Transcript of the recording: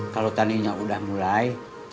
kalau taninya udah mulai